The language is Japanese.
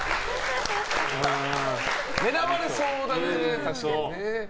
狙われそうだね、確かにね。